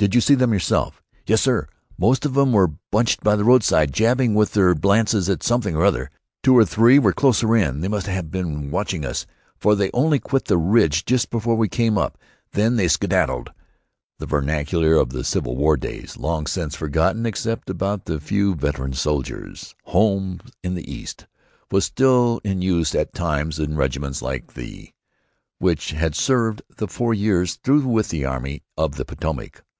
"Did you see them yourself?" "Yes, sir. Most of 'em were bunched by the roadside, jabbing with their lances at something or other. Two or three were closer in. They must ha' been watching us, for they only quit the ridge just before we came up. Then they skedaddled." The vernacular of the civil war days, long since forgotten except about the few Veteran Soldiers' Homes in the East, was still in use at times in regiments like the th, which had served the four years through with the Army of the Potomac.